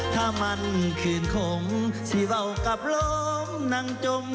ถ้ามันคืนคงสิเว้ากลับล้ม